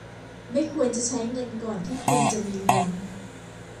ไม่ควรจะใช้เงินก่อนที่คุณจะมีเงิน